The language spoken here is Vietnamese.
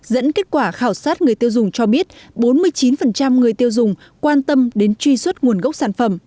dẫn kết quả khảo sát người tiêu dùng cho biết bốn mươi chín người tiêu dùng quan tâm đến truy xuất nguồn gốc sản phẩm